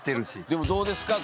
でもどうですか？